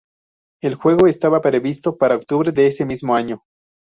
El juego estaba previsto para octubre de ese mismo año.